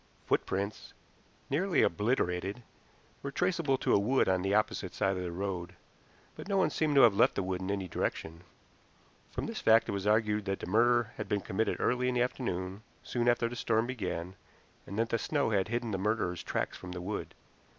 Footprints, nearly obliterated, were traceable to a wood on the opposite side of the road, but no one seemed to have left the wood in any direction. From this fact it was argued that the murder had been committed early in the afternoon, soon after the storm began, and that snow had hidden the murderer's tracks from the wood.